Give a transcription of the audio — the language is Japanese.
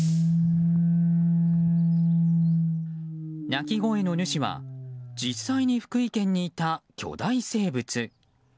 鳴き声の主は実際に福井県にいた巨大生物。